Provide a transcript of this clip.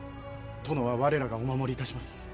殿は我らがお守りいたします。